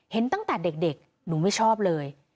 ตั้งแต่เด็กหนูไม่ชอบเลย